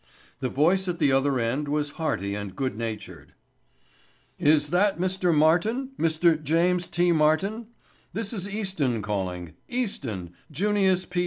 The voice at the other end was hearty and good natured. "Is that Mr. Martin—Mr. James T. Martin?—this is Easton talking—Easton—Junius P.